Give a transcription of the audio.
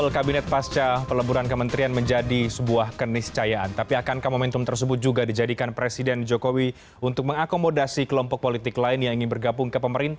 kang san kalau kemudian momentum reshuffle ini dijadikan alat bagi presiden jokowi untuk mengakomodasi kelompok politik yang lain